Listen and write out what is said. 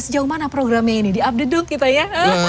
sejauh mana programnya ini di update dok kita ya